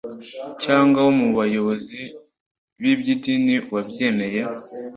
cyangwa wo mu bayobozi b'iby'idini wabyemeye?